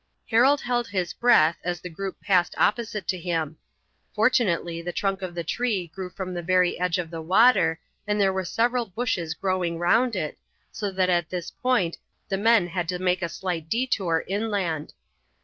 Harold held his breath as the group passed opposite to him. Fortunately the trunk of the tree grew from the very edge of the water, and there were several bushes growing round it, so that at this point the men had to make a slight détour inland.